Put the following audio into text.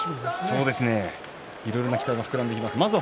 いろんな期待が膨らんできますね。